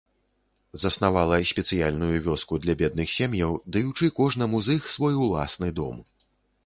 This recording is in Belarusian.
Заснавала спецыяльную вёску для бедных сем'яў, даючы кожнаму з іх свой уласны дом.